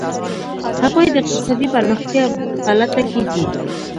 هغوی د اقتصادي پرمختیا په لټه کې دي.